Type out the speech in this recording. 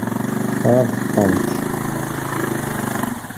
Tɣaḍeḍ-tent?